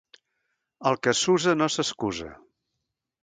El que s'usa no s'excusa.